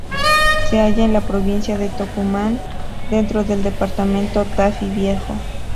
Se hallaba en la provincia de Tucumán, dentro del Departamento Tafí Viejo.